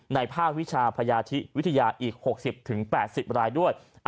ภาควิชาพยาธิวิทยาอีก๖๐๘๐รายด้วย